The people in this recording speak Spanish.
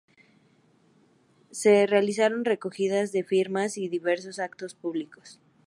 Se realizaron recogidas de firmas y diversos actos públicos.